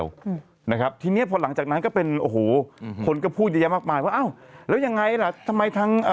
ยงโยยงยกนั่งยงยองยุกยง